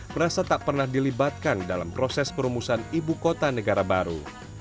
merasa tak pernah dilibatkan dalam proses perumusan ibu kota negara baru